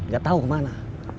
gak tahu kemana